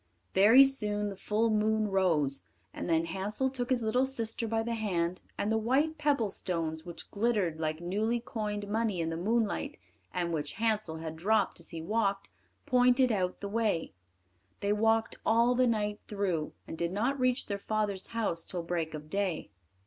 Very soon the full moon rose, and then Hansel took his little sister by the hand, and the white pebble stones, which glittered like newly coined money in the moonlight, and which Hansel had dropped as he walked, pointed out the way. They walked all the night through, and did not reach their father's house till break of day.